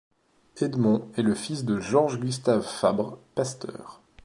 Edmond est le fils de Georges Gustave Fabre, pasteur.